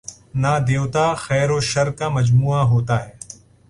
نہ دیوتا، خیر وشرکا مجموعہ ہوتا ہے۔